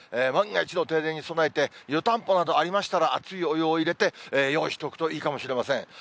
万が一の停電に備えて、湯たんぽなどありましたら、熱いお湯を入れて、用意しておくといいかもしれません。